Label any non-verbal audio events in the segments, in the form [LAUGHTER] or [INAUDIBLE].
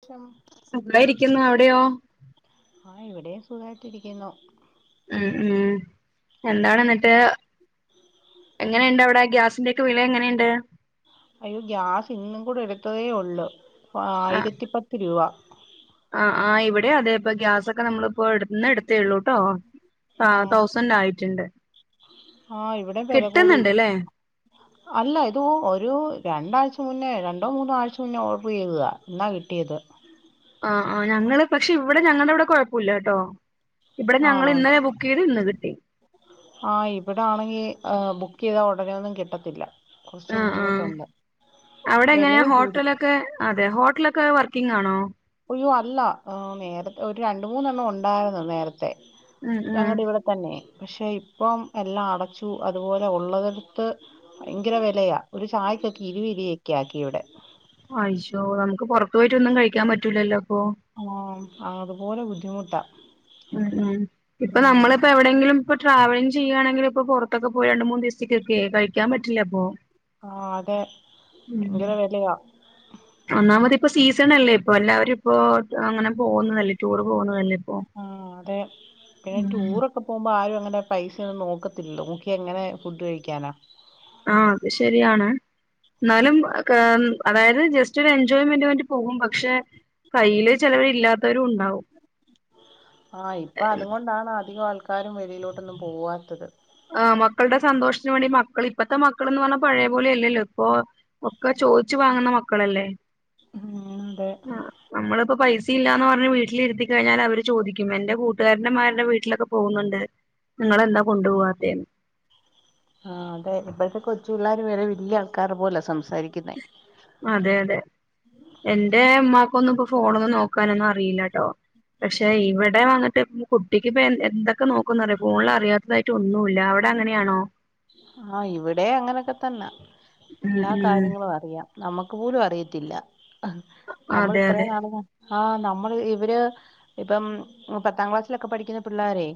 [INAUDIBLE] സുഖായിരിക്കുന്നു അവിടെയോ? ആഹ് ഇവിടെയും സുഖായിട്ടിരിക്കുന്നു. ഉം ഉം എന്താണ് എന്നിട്ട്. എങ്ങനെയുണ്ട് അവിടെ ഗ്യാസിന്റെ ഒക്കെ വില എങ്ങനെയുണ്ട്? അയ്യോ ഗ്യാസ് ഇന്നും കൂടെ എടുത്തതേ ഉള്ളു ആയിരത്തി പത്ത് രൂപ ആഹ് ആഹ് ഇവിടെം അതെ ഇപ്പൊ ഗ്യാസൊക്കെ നമ്മളിപ്പോ എട് ഇന്ന് എടുത്തേള്ളൂട്ടോ. ആഹ് തൗസന്റ് ആയിട്ടുണ്ട്. ആഹ് ഇവിടെം വെല കൂടി. കിട്ടുന്നുണ്ട് ല്ലേ അല്ല ഇത് ഒരു രണ്ടാഴ്ച മുന്നേ രണ്ടോ മൂന്നോ ആഴ്ച മുന്നേ ഓർഡർ ചെയ്തതാ ഇന്നാ കിട്ടിയത്. ആഹ് ആഹ് ഞങ്ങള് പക്ഷെ ഇവിടെ ഞങ്ങളുടെ ഇവിടെ കൊഴപ്പില്ലാട്ടോ ഇവടെ ഞങ്ങള് ഇന്ന് ബുക്ക് ചെയ്തു ഇന്ന് കിട്ടി ആഹ് ഇവിടെ ആണെങ്കി ഏഹ് ബുക്ക് ചെയ്താ ഒടനെയൊന്നും കിട്ടത്തില്ല. കൊറച്ച് ആഹ് ആഹ് ബുദ്ധിമുട്ടുണ്ട് അവിടെ എങ്ങനെയാ വെലയും കൂടി ഹോട്ടലൊക്കെ അതെ ഹോട്ടലൊക്കെ വർക്കിംഗ്‌ ആണോ? ഒയ്യോ അല്ല നേരത്തെ ഒരു രണ്ടു മൂന്നെണ്ണം ഉണ്ടായിരുന്നു നേരത്തെ ഉം ഉം ഞങ്ങളുടെ ഇവിടെ തന്നെയേ പക്ഷെ ഇപ്പം എല്ലാം അടച്ചു അതുപോലെ ഉള്ളതെടുത്ത് ഭയങ്കര വെലയാ ഒരു ചായ്ക്കൊക്കെ ഇരുവിരിയൊക്കെ ആക്കി ഇവിടെ. അജ്ജോ നമുക്ക് പോറത്തു പോയിട്ട് ഒന്നും കഴിക്കാൻ പറ്റൂല്ലല്ലോ അപ്പൊ ആഹ് അതുപോലെ ബുദ്ധിമുട്ടാ ഉം ഉം ഇപ്പൊ ഉം നമ്മളിപ്പോ എവിടെയെങ്കിലും ഇപ്പ ട്രാവലിംഗ് ചെയ്യുകയാണെങ്കി ഇപ്പോ പുറത്തൊക്കെ പോയിയണ്ട് മൂ ദിവസക്കൊക്കെ കഴിക്കാൻ പറ്റില്ല അപ്പോ ആഹ അതെ ഉം ഭയങ്കര വിലയാ ഒന്നാമത് ഇപ്പ സീസൺ അല്ലേ ഇപ്പൊ എല്ലാവരും ഇപ്പോ അങ്ങനെ പോകുന്നതല്ലേ ടൂറ് പോകുന്നതല്ലേ ഇപ്പൊ ആഹ അതെ പിന്നെ റ്റുറൊക്കെ ഒക്കെ പോമ്പോ ആരും അങ്ങനെ പൈസ ഒന്നും നോക്കത്തില്ലോ നോക്യാ ഇങ്ങനെ ഫുഡ് കഴിക്കാനാ ആഹ അത് ശരിയാണ് എന്നാലും ക അതായത് ജസ്റ്റ് ഒരു എൻജോയ്മെന്റ് വേണ്ടി പോകും പക്ഷെ കയ്യില് ചിലർ ഇല്ലാത്തവരും ഉണ്ടാവും ആഹ ഇപ്പൊ അത് കൊണ്ടാണ് അധികം ആൾക്കാരും വെളിയിലോട്ടൊന്നും പോവാത്തത് ആഹ മക്കളുടെ സന്തോഷത്തിന് വേണ്ടി മക്കൾ ഇപ്പഴത്തെ മക്കൾ എന്ന് പറഞ്ഞാൽ പഴയ പോലും ഇല്ലല്ലോ ഇപ്പൊ ഒക്കെ ചോദിച്ചു വാങ്ങുന്ന മക്കളല്ലേ ഉ അതെ ആഹ് നമ്മളിപ്പോ പൈസ ഇല്ലാന്ന് പറഞ്ഞഞ് വീട്ടിലിരുത്തി കഴിഞ്ഞാൽ അവര് ചോദിക്കും എന്റെ കൂട്ടുകാരന്റെമാരുടെ വീട്ടിലൊക്കെ പോകുന്നുണ്ട് നിങ്ങളെന്താ കൊണ്ടുപോവാത്ത എന്ന് ആഹ അതെ ഇവിഴത്തെ കൊച്ചു പിള്ളേർ വേറെ വല്യ ആൾക്കാർ പോലെ സംസാരിക്കുന്നേ അതെ അതെ എന്റെ അമ്മാക്കൊന്നും ഇപ്പോൊ ഫോണ ഒന്നും നോക്കാനൊന്നും അറിയില്ലട്ടോ പക്ഷെ ഇവിടെ വന്നിട്ട് കുട്ടിക്ക്പ്പൊ എ എന്തൊക്കെ നോക്കന്ന്റിയോ ഫോണിൽ അറിയാത്തതായിട്ട് ഒന്നുമല്ല അവിടെ അങ്ങനെയാണോ ആഹ ഇവിടെ അങ്ങനെയൊക്കെ തന്നെ ഉം എല്ലാ ഉം കാര്യങ്ങളും അറിയാം നമ്മുക്ക് പോലും അറിയത്തില്ല നമ്മൾ അതെ അതെ ഇത്രയും നാള ആഹ നമ്മള് ഇവര് ഇപ്പം പത്താം ക്ലാസ്സിലൊക്കെ പഠിക്കുന്ന പിള്ളോരേ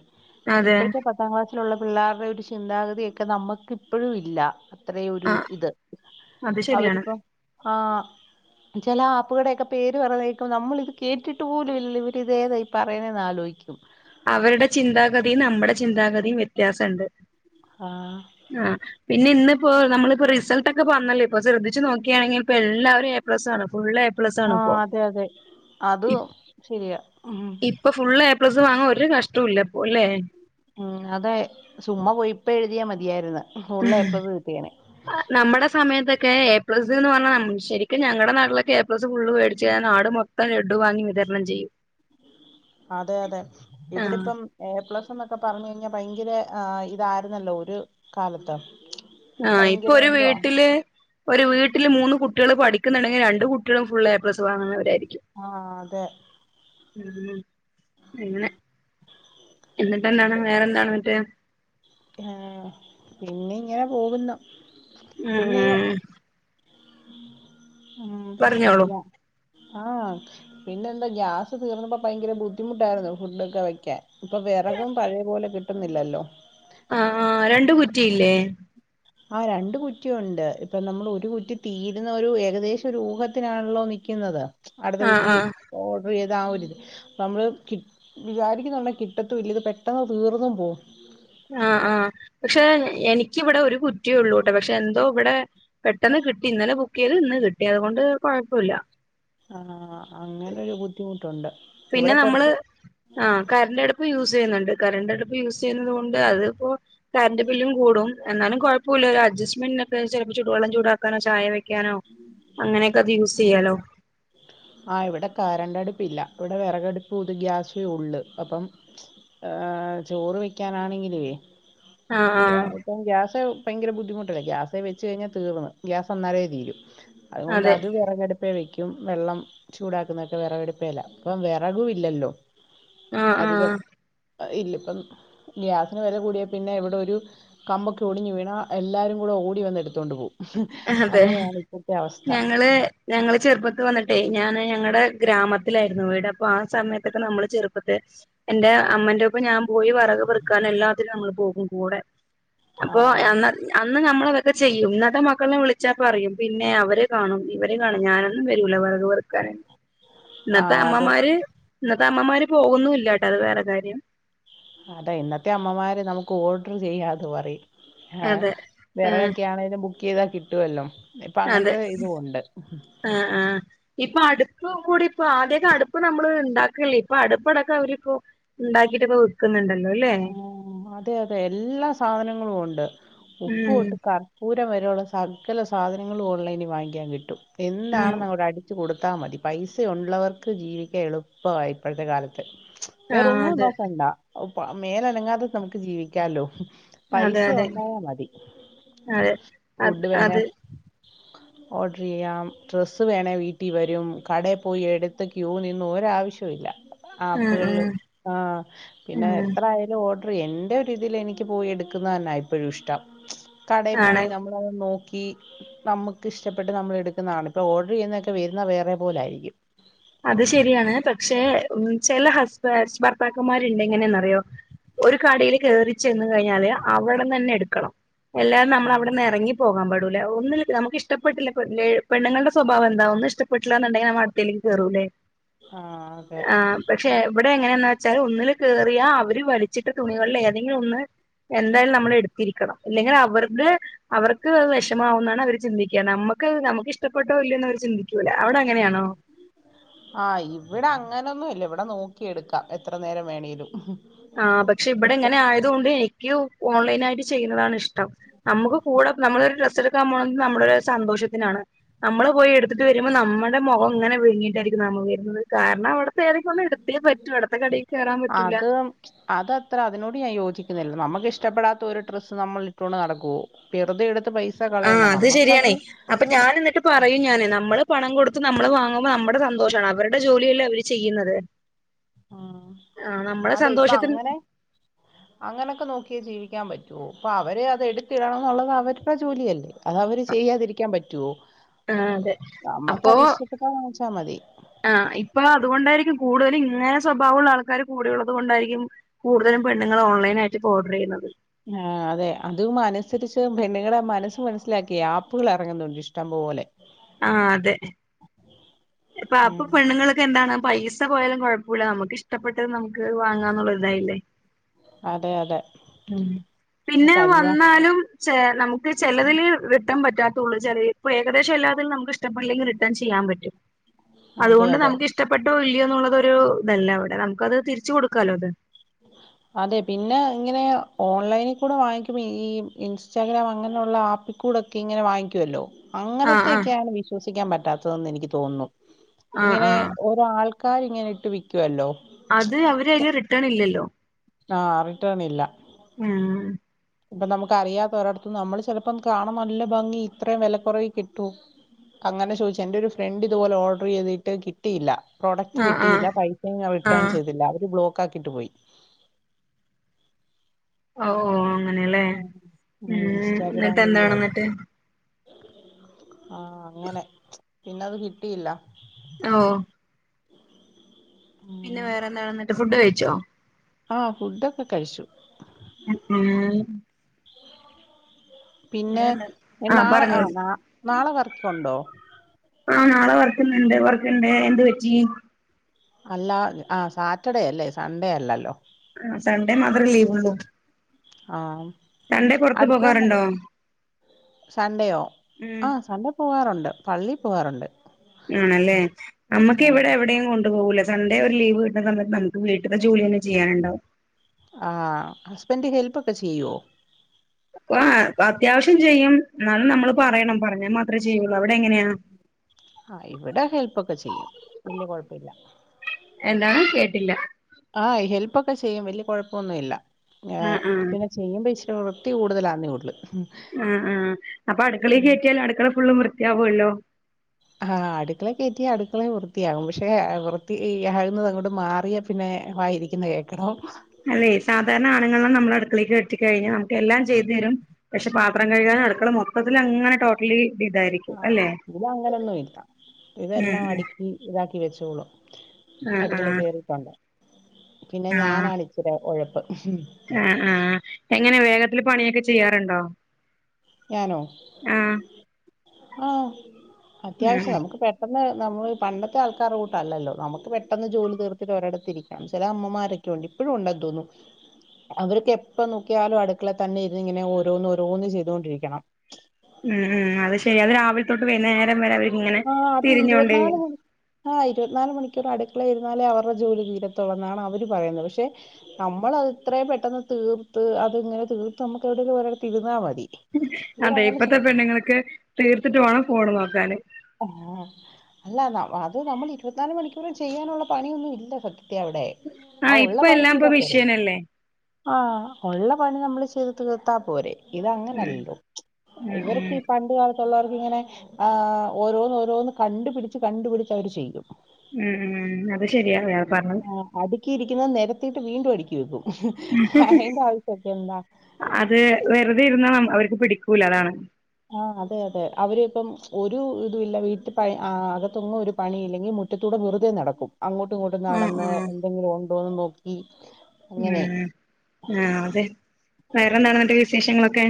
അതെ ഇപ്പോഴത്തെ പത്താം ക്ലാസ്സിലുള്ള പിള്ളേരുടെ ഒരു ചിന്താഗതിയൊക്കെ നമ്മുക്ക് ഇപ്പോഴും ഇല്ല അത്രയൊ ഒരു ആഹ് ഇത് അത് ശരിയാണ് അവരിപ്പം ആഹ ചില ആപ്പുകളുടെയൊക്കെ പേര് പറയുന്ന കേൾക്കുമ്പോ നമ്മൾ ഇത് കേട്ടിട്ട് പോലും ഇല്ല ഇവരി ഇതേതായി പറയാണെന്ന് ആലോചിക്കും അവരുടെ ചിന്താഗതിയും നമ്മുടെ ചിന്താഗതിയും വ്യത്യാസുണ്ട് ആഹ ആഹ പിന്നെ ഇനിപ്പോ നമ്മളിപ്പോ റിസൾട്ട്ക്കെ പറന്നല്ലേ ഇപ്പൊ ശ്രദ്ധിച്ച നോക്കാണങ്കിപ്പ എല്ലാവരും എ പ്ലസ്സണ് ഫുൾ എ പ്ലസ് ആണ് ആഹ ഇപ്പോ അതെ അതെ അത് ശരിയാ ഉ ഇപ്പൊ ഫുള് എ പ്ലസ് വാങ്ങാൻ ഒരു കഷ്ടം ഇല്ലപ്പൊ അല്ലേ ഉം അതെ ചുമ്മ പോയിപ്പ എഴുതിയ മതിയായിരുന്നു ഫുൾ എ പ്ലസ് കീട്ടിയേന നമ്മുടെ സമയത്തൊക്കെ എ പ്ലസ് എന്ന് പറഞ്ഞാ ശരിക്കും ഞങ്ങളുടെ നാട്ടിലൊക്കെ എ പ്ലസ് ഫുള് മേടിച്ച് നാട് മം ടു വാങ്ങി വിതരണം ചെയ്യും അതെ അതെ ആഹ് ഇവിടിപ്പം എ പ്ലസ് എന്നൊക്കെ പറഞ്ഞ കഴിഞ്ഞാൽ ഭയങ്കര ഇതായിരുന്നല്ലോ ഒരു കാലത്ത് ആഹ ഇപ്പൊ ഭയങ്കര ഒരു എന്തുവാ വീട്ടില് ഒരു വീട്ടില് മൂന്ന് കുട്ടികള് പഠിക്കുന്നുണ്ടെങ്കിൽ രണ്ട കുട്ടികളും ഫുള്ളായി പ്രസവാങ്ങുന്നവരായിരിക്കും ആഹ് അതെ ഉ പിന്നെ എന്നിട്ട് എന്താണ് വേറെന്താണ് മറ്റേ ആഹ പിന്നെ ഇങ്ങനെ പോകുന്നു പിന്നെ ഉം ഉ പറഞ്ഞോളൂ മോ ആഹ പിന്നെ എന്താ ഗ്യാസ് തീർന്നപ്പോ ഭയങ്കര ബുദ്ധിമുട്ടായിരുന്നു ഫുഡൊക്കെ വെക്കാൻ ഇപ്പൊ വിറകും പഴയ പോലെ കിട്ട കിട്ടുന്നില്ലല്ലോ ആഹ് ആഹ് രണ്ടു കുറ്റിയില്ലേ ആഹ് രണ്ട് കുറ്റി ഉണ്ട് ഇപ്പൊ നമ്മൾ ഒരു കുറ്റി തീരുന്ന ഒരു ഏകദേശം ഒരു ഊഹത്തിനാണല്ലോ നിക്കുന്നത് അടുത്ത ആഹ് കുറ്റി ആഹ് ഓർഡർ ചെയ്ത് ആഹ് ഒരു ഇത് നമ്മള് ക വിചാരിക്കുന്ന കിട്ടത്തും ഇല്ല ഇത് പെട്ടെന്ന് തീർന്നും പോവും ആഹ ആഹ പക്ഷെ എനിക്കിവിടെ ഒരു കുറ്റിയ ഉള്ളൂട്ടെ പക്ഷെ എന്തോ ഇവിടെ പെട്ടെന്ന് കിട്ടി ഇന്നലെ ബുക്ക് ചെയ്ത് ഇന്ന് കിട്ടി അതുകൊണ്ട് കുഴപ്പമില്ല ആഹ് അങ്ങനൊരു ബുദ്ധിമുട്ടുണ്ട് പിന്നെ ഇവിടെ നമ്മള് കുറച്ച് ആഹ് കറന്റെടുപ്പ് യൂസ് ചെയ്യുന്നുണ്ട് കറണ്ട് അടുപ്പ് യൂസ് ചെയ്യുന്നത് കൊണ്ട് അതിപ്പോ കറണ്ട് ബില്ലും കൂടും എന്നാലും കുഴപ്പമില്ല ഒരു അഡ്സ്മെന്റിനൊക്കെ ചിലപ്പോ ചെലപ്പോ ചൂടാക്കാനോ ചായ വെ നോ അങ്ങനെയൊക്കെ അത് യൂസ് ചെയ്യാലോ ഉം ആഹ് ഇവിടെ കരണ്ട് അടുപ്പ് ഇല്ല ഇവിടെ വിറകടുപ്പും ഇത് ഗ്യാസെ ഉള്ളു അപ്പം ചോറ് വക്കാനാണെങ്കിലേ ആഹ് ആഹ് ഇപ്പം ഗ്യാസ് ഭയങ്കര ബുദ്ധിമുട്ടല്ലേ ഗ്യാസെ വെച്ച് കഴിഞ്ഞാൽ തീർന്ന് ഗ്യാസ് അന്നേരെ തീരും അതുകൊണ്ട് അതെ അത് വിറകെടുപ്പ വെക്കും വെള്ളം ചൂടാക്കുന്നതൊക്കെ വിറകടുപ്പേല അപ്പം വിറകും ഇല്ലല്ലോ ആഹ് അധികം ആഹ് ഇല്ല ഇപ്പം ഗ്യാസിന് വില കൂടിയെ പിന്നെ ഇവിടെ ഒരു കമ്പൊക്കെ ഒടിഞ്ഞു വീണാ എല്ലാരും കൂടെ ഓടി വന്ന് എടുത്തോണ്ട് പോവും അതെ അങ്ങനെയണ ഞങ്ങള് ഞങ്ങള് ചെറുപ്പത്ത് വന്നിട്ടെ ഞാന് ഞങ്ങടെ ഗ്രാമ ത്തിലായിരുന്നു വീട് അപ്പൊ ആ സമയത്തൊക്കെ നമ്മള് ചെറുപ്പത്തെ എന്റെ അമ്മന്റെ ഒപ്പം ഞാൻ പോയി വെറക് പെറുക്കാനും എല്ലാത്തിനും നമ്മള് പോകും കൂടെ ആ അപ്പൊ അ അന്ന് നമ്മളതൊക്കെ ചെയ്യും ഇന്നത്തെ മക്കളെ വിളിച്ചാൽ പറയും പിന്നെ അവര് കാണും ഇവര് കാണും ഞാനൊന്നും വരൂല വെറക് പെറുക്കാനെ ആ ഇന്നത്തെ അതെ അമ്മമാര് ഇന്നത്തെ അമ്മമാര് പോവൊന്നുംഇല്ലാട്ടോ അത് വേറെ കാര്യം അതെ ഇന്നത്തെ അമ്മമാർ നമുക്ക് ഓർഡർ ചെയ്യാന്ന് പറയും ആഹ അതെ ആഹ് വെറകൊക്കെ ആണേലും ബുക്ക് ചെയ്താ കിട്ടുവല്ലോ ഇപ്പ അതെ അങ്ങനത്തെ ഇതും ഉണ്ട് ആഹ് ആഹ് ഇപ്പൊ അടുപ്പ് കൂടി ഇപ്പൊ ആദ്യൊക്കെ അടുപ്പ് നമ്മള് ഉണ്ടാക്കലല്ലേ ഇപ്പൊ അടുപ്പടക്കം അവരിപ്പോ ഇണ്ടാക്കിട്ട് ഇപ്പ വിൽക്കുന്ന്ണ്ടല്ലോ അല്ലെ ഉം അതെ അതെ എല്ലാ സാധനങ്ങളും ഉണ്ട് ഉപ്പ് ഉം തൊട്ട് കർ പൂരം വരെയുള്ള സകല സാധനങ്ങളും ഓൺലൈനിൽ വാങ്ങിക്കാൻ കിട്ടും ഉം എന്താണ്ന്ന് അങ്ങോട്ട് അടിച്ചു കൊടുത്താൽ മതി പൈസ ഉള്ളവർക്ക് ജീവിക്കാ എളുപ്പാ ഇപ്പഴ്ത്തെ കാലത്ത് ആ വേറൊന്നും അതെ നോക്കണ്ട മേലനങ്ങാതെ നമുക്ക് ജീവിക്കാല്ലോ അതെ പൈസ അതെ ഉണ്ടായാ മതി അതെ അത് ഫുഡ് വേണേ അത് ഓർഡർ ചെയ്യാം ഡ്രസ്സ് വേണേ വീട്ടിൽ വരും കടയിൽ പോയി എടുത്ത് ക്യൂ നിന്ന് ഒരാവശ്യമില്ല ഉം ആപ്പുകളില് ഉം ആഹ് പിന്നെ ഉം എത്രയാലും ഓർഡർ എന്റെ ഒരു ഇതിൽ എനിക്ക് പോയി എടുക്കുന്നത് തന്നെ ഇപ്പോഴും ഇഷ്ടം കടയിൽ ആണ് പോയി നമ്മ നോക്കി നമുക്ക് ഇഷ്ടപ്പെട്ട് നമ്മൾ എടുക്കുന്നതാണ് ഇപ്പോൾ ഓർഡർ ചെയ്യുന്നതൊക്കെ വരുന്നത് വേറെ പോലെ ആയിരിക്കും അത് ശരിയാണ് പക്ഷേ ഉം ചില ഹസ്ബൻ ഭർത്താക്കന്മാരുണ്ട് എങ്ങനെയെന്നറിയോ ഒരു കടൽ കയറി ചെന്ന് കഴിഞ്ഞാല് അവിടെ തന്നെ എടുക്കണം അല്ലാതെ നമ്മൾ അവിടെന്ന് ഇറങ്ങി പോകാൻ പാടൂലേ ഒന്നും നമുക്ക് ഇഷ്ട്ടപെട്ടില്ല പെണ്ണങ്ങളുടെ സ്വഭാവ എന്താ ഒന്നും ഇഷ്ടട്ടില്ലാന്നുണ്ടെങ്കിൽ നമ്മള് അടുത്തലേക്ക് കേറൂലേ ആഹ് അതെ പക്ഷെ എവിടെ എങ്ങനെയാന്ന് വെച്ചാൽ ഒന്നില് കേറിയാ അവര് വലിച്ചിട്ട തുണികളിൽ ഏതെങ്കിലും ഒന്ന് എന്തായാലും നമ്മൾ എടുത്തിരിക്കണം ഇല്ലെങ്കിൽ അവർക്ക് അവർക്ക് അത് വിഷമാവുന്നാണ് അവര് ചിന്തിക്കുക നമുക്ക് നമുക്ക് ഇഷ്ടപ്പെട്ടോ ഇല്ലയോന്ന് അര് ചിന്തി ക്കൂല അവിടെ അങ്ങനെയാണോ ആഹ് ഇവിടെ അങ്ങനൊന്നും ഇല്ല ഇവിടെ നോക്കി എടുക്കാം എത്ര നേരം വേണേലും ആഹ് പക്ഷെ ഇവിടെ ഇങ്ങനെ ആയതുകൊണ്ട് എനിക്ക് ഓൺലൈനായിട്ട് ചെയ്യുന്നതാണ് ഇഷ്ടം നമുക്ക് കൂടെ നമ്മളൊരു ഡ്രസ് എടുക്കാൻ പോകണന്നത് നമ്മുടെ ഒരു സന്തോഷത്തിനാണ് നമ്മള് പോയി എടുത്തിട്ട് വരുമ്പോ നമ്മുടെ മുഖം ഇങ്ങനെ വീങ്ങിയിട്ടായിരിക്കും നമ്മള് വരുന്നത് കാരണം അവർക്ക് ഏതെങ്കിലും ഒന്ന് എടുത്തേ പറ്റൂ അടുത്ത കടയിൽ കയറാൻ പറ്റൂല അത് അതത്ര അതിനോട് ഞാൻ യോജിക്കുന്നില്ല നമ്മക്ക് ഇഷ്ടപ്പെടാത്ത ഒരു ഡ്രസ്സ് നമ്മളിട്ടോണ്ട് നടക്കുവോ ധൃതി എടുത്ത് പൈസ ആ കളയണ്ട അത് നമ്മക്കത് ശരിയാണേ അപ്പൊ ഞാൻ എന്നിട്ട് പറയും ഞാന് നമ്മള് പണം കൊടുത്ത് നമ്മള് വാങ്ങുമ്പോൾ നമ്മുടെ സന്തോഷവാണ് അവരുടെ ജോലിയല്ലേ അവര് ചെയ്യുന്നത് ആഹ് ആ നമ്മുടെ അതെ ഇപ്പൊ സന്തോഷത്തിന് അങ്ങനെ അങ്ങനൊക്കെ നോക്കിയാ ജീവിക്കാൻ പറ്റുവോ അപ്പൊ അവര് അത് എടുത്തിടണം എന്നുള്ളത് അവരുടെ ജോലിയല്ലേ അത് അവര് ചെയ്യാതിരിക്കാൻ പറ്റുവോ ആ അതെ നമ്മക്ക് അത് ഇഷ്ടപ്പെട്ടാ വാങ്ങിച്ചാൽ മതി ആഹ് ഇപ്പൊ അതുകൊണ്ടായിരിക്കും കൂടുതലും ഇങ്ങനെ സ്വഭാവമുള്ള ആൾക്കാര് കൂടെയുള്ളത് കൊണ്ടായിരിക്കും കൂടുതലും പെണ്ണുങ്ങള് ഓൺലൈനായിട്ട് ഇപ്പോ ഓഡർ ചെയ്യുന്നത് ആഹ് അതെ അതും അനുസരിച്ച് പെണ്ണുങ്ങടെ മനസ്സ് മനസ്സിലാക്കി ആപ്പുകൾ ഇറങ്ങുന്നുണ്ട് ഇ ഷ്ടം പോലെ ആഹ് അതെ പ്പൊ അപ്പൊ ഉം പെണ്ണുങ്ങളൊക്കെ എന്താണ് പൈസ പോയാലും കൊഴപ്പവില നമ്മുക്ക് ഇഷ്ടപ്പെട്ടത് നമുക്ക് വാങ്ങാം എന്നുള്ള ഒരു ഇതായില്ലേ അതെ അതെ ഉം പിന്നെ കല്യാ വന്നാലും ചെല നമുക്ക് ചെലതില് റിട്ടേൺ പറ്റാത്തുള്ളൂ ചെറി ഇപ്പൊ ഏകദേശം എല്ലാത്തിലും നമുക്കിഷ്ടപ്പെട്ടില്ലെങ്കിൽ റിട്ടേൺ ചെയ്യാൻ പറ്റും അതെ അതുകൊണ്ട് അതെ നമുക്ക് ഇഷ്ടപ്പെട്ടോ ഇല്യോന്നുള്ളതൊരു ഇതല്ല അവിടെ നമുക്കത് തിരിച്ചു കൊടുക്കാലോ അത് [INAUDIBLE] അതെ പിന്നെ ഇങ്ങനെ ഓൺലൈനിക്കൂടെ വാങ്ങിക്കുമ്പോ ഈ ഇൻസ്റ്റാഗ്രാം അങ്ങനെയുള്ള ആപ്പിൽ ക്കൂടൊക്കെ ഇങ്ങനെ വാങ്ങിക്കൂലോ ആ ആ അങ്ങനത്തെയൊക്കെ ആണ് വിശ്വസിക്കാൻ പറ്റാത്തതെന്ന് എനിക്ക് തോന്നുന്നു ആ ഇങ്ങനെ ആ ഓ രോ ആൾക്കാര് ഇങ്ങനെ ഇട്ട് വിക്കുവല്ലോ അത് അവര് അയില് റിട്ടേണില്ലല്ലോ ആഹ് റിട്ടേണില്ല ഉം ഇപ്പൊ നമുക്കറിയാത്ത ഒരിടത്തന്ന് നമ്മള് ചെലപ്പോ കാണാൻ നല്ല ഭംഗി ഇത്രയും വെലകൊറവിൽ കിട്ടും അങ്ങനെ ചോയിച്ച എന്റെ ഒരു ഫ്രണ്ട് ഇതുപോല ഓഡറ് ചെയ്തിട്ട് കി ട്ടിയില്ല പ്രോഡക്റ്റ് ആഹ് ആഹ് കിട്ടിയില്ല പൈസയും റിട്ടേൺ ആഹ് ചെയ്തില്ല അവര് ബ്ലോക്കാക്കിയിട്ട് പോയി ഓ ഓ അങ്ങനെയല്ലേ ഉം ഉം എന്നിട്ട് എന്താണ് മറ്റേ ആഹ് അങ്ങനെ പിന്നത് കിട്ടിയില്ല ഓ പിന്നെ ഉം വേറെന്നാ എന്നിട്ട് ഫുഡ്‌ കഴിച്ചോ ആഹ് ഫുഡൊക്കെ കഴിച്ചു ഉം ഉം പിന്നെ ആഹ് നാളെ ആ പറഞ്ഞോളൂ നാ നാളെ വർക്ക് ഒണ്ടോ ആഹ് നാളെ വർക്കിന്നൊണ്ട് വർക്കുണ്ട് എന്ത് പറ്റി അല്ലാ ആഹ് സാറ്റർഡേയാലേ സൺഡേ അല്ലല്ലോ ആഹ് സൺഡേ മാത്രം ലീവൊള്ളൂ ആഹ് പുറത്ത് അടുത്ത്‌ തന്ന പോകാറുണ്ടോ സൺഡേയോ ഉം ആഹ് സൺ‌ഡേ പോവാറുണ്ട് പള്ളി പോവാറുണ്ട് ആണല്ലേ നമ്മക്ക് ആഹ് ഇവിടെ എവിടെയും കൊണ്ടു പോകൂല സൺ‌ഡേ ഒരു ലീവ് കിട്ടുന്ന സമയത്ത് നമുക്ക് വീട്ത്തെ ജോല്യന്നെ ചെയ്യാനുണ്ടാവും ആഹ് ഹസ്ബൻഡ് ഹെൽപ്പക്കെ ചെയ്യോ വആ അത്യാവശ്യം ചെയ്യും ന്നാലും നമ്മള് പറയണം പറഞ്ഞാ മാത്രചെയ്യുള്ളൂ അവിടെ എങ്ങനെയാ ആ ഇവിടെ ഹെൽപ്പൊക്കെ ചെയ്യും വല്യ കൊഴപ്പില്ല എന്താണ് കേട്ടില്ല ആഹ് ഹെൽപ്പൊക്കെ ചെയ്യും വല്യ കൊഴപ്പൊന്നുഇല്ല ആഹ് ആഹ് പിന്നെ ചെയ്യുമ്പോ ഇച്ചിരി വൃത്തി കൂടുതലാന്നേ ഒള്ളൂ ആ ആഹ് അപ്പൊ അടുക്കളെ കേറ്റിയാലടുക്കള ഫുള്ളും വൃത്തി യാവൊല്ലോ ആഹ് അടുക്കളേ കേറ്റിയ അടുക്കളയും വൃത്തിയാകും. പക്ഷെ വൃത്തി ആകുന്നത് അങ്ങോട്ട് മാറിയ പിന്നെ വായിരിക്കുന്ന കേക്കണം അതേയ് സാധാരണ ആണുങ്ങളെ നമ്മളടുക്കളേക്ക് കേറ്റി കഴിഞ്ഞാ നമുക്കെല്ലാം ചെയ്തരും പക്ഷെ പാത്രം കഴ്കാന് അടുക്കള മൊത്തത്തിലങ്ങനെ ടോ [UNINTELLIGIBLE] ഇതായിരിക്കും ആഹ് അല്ലെ ഇത് ഉം ഹും കി ഇതാക്കി വെച്ചോളും ആഹ് അടുക്കളെ ആഹ് കേറിട്ടൊണ്ടേ പിന്നെ ഞാനാണിച്ചിരി ഒഴപ്പ് ആ ആഹ് എങ്ങനെ വേഗത്തില് പണിയൊക്കെ ചെയ്യാറ്ണ്ടോ ഞാനോ ആഹ് ഉം അത്യാവശ്യം നമ്മക്ക് പെ ട്ടന്ന് നമ്മള് പണ്ടത്തെ ആൾക്കാരെ കൂട്ടല്ലല്ലോ, നമുക്ക് പെട്ടെന്ന് ജോലി തീർത്തിട്ട് ഒരെടത്ത് ഇരിക്കണം. ചെല അമ്മമാരെ ക്കെ ഉണ്ട് ഇപ്പഴും ഉണ്ടെന്ന് തോന്നുന്നു അവർക്കെപ്പനോക്കിയാലും അടുക്കളെ തന്നെ ഇരുന്നിങ്ങനെ ഓരോന്നോരോന്ന് ചെയ്തോണ്ടിരിക്കണം ഉം ഉം അത് ശരിയാ, അത് രാവിലെ തൊട്ട് വൈന്നേരം വരെ അവരിങ്ങനെ ആഹ് അത് തിരിഞ്ഞോണ്ടേ ഇരുപത്തിനാല് ആഹ് ഇരുപത്തിനാല് മണിക്കൂർ അടുക്കളെ ഇരുന്നാലേ അവരുടെ ജോലി തീരത്തുള്ളന്നാണവര് പറയുന്നത്, പക്ഷെ നമ്മളത് ത്രേം പെട്ടെന്ന് തീർത്ത് അത്ങ്ങനെ തീർത്തമ്മുക്ക് എവിടെലും ഒരെടത്തിരുന്നാ മതി അതെ ഇവരങ്ങനെ ഇപ്പത്തെ ചിന്തിക്കില്ല പെണ്ണുങ്ങൾക്ക് തീർത്തിട്ടു വേണം ഫോണ് നോക്കാന് ആഹ് അല്ല നം അത് നമ്മളിരുപത് നാല് മണിക്കൂറും ചെയ്യാനുള്ള പണിയൊന്നും ഇല്ല സത്യത്തി അവിടെ ആ ആഹ് ഉള്ള ഇപ്പൊ പണി എല്ലാം ഇപ്പൊ ചെയ്താ പോരെ മിഷ്യനല്ലേ ആഹ് ഒള്ള പണി നമ്മള് ചെയ്ത് തീർത്താ പോരെ ഉം ഇതങ്ങനല്ലല്ലോ ഉം ഉം ഇവർക്കീ പണ്ട് കാലത്തുള്ളവർക്കിങ്ങനെ ആഹ് ഓരോന്നോരോന്ന് കണ്ടുപിടിച്ച് കണ്ടുപിടിച്ചവര് ചെയ്യും ഉം ഉം അത് ശെരിയാ ഇയാള് പർഞ്ഞത് അടുക്കിയിരിക്കുന്നത് നിരത്തിയിട്ട് വീണ്ടും അടുക്കി വെക്കും, അയ്ന്റാവിശ്യൊക്കെ എന്താ അത് വെറുതെ ഇരുന്ന നം അവർക്ക് പിടിക്കൂല അതാണ് ആഹ് അതെയതെ അവരിപ്പം ഒരു ഇതു ഇല്ല വീട്ടി പയ് ആ അകത്തൊന്നും ഒരു പണിയില്ലെങ്കി മു റ്റത്തൂടെ വെറുതെ നടക്കും. അങ്ങോട്ടും ഇങ്ങോട്ടും ഉം നടന്ന്, ഉം എന്തെങ്കിലു ഉണ്ടോന്നും നോക്കി അങ്ങനെ ഉം ആ അതെ വേറെന്താണ്ന്നട്ട് വിശേഷങ്ങളൊക്കെ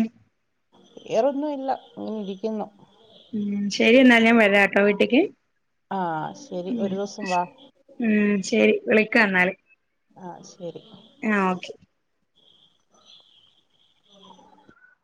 വേറൊന്നു ഇല്ല, ഇങ്ങനിരിക്കുന്നു ഉം ശരി എന്നാല്, ഞാൻ വരാട്ടോ വീട്ടിക്ക് ആഹ് ശരി ഒരു ദിവസം വാ ഉം ശരി വിളിക്കാന്നാല് ആഹ് ശരി ഏഹ് ഓക്കെ. [UNINTELLIGIBLE]